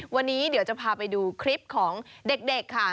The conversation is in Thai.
วันนี้เดี๋ยวจะพาไปดูคลิปของเด็กค่ะ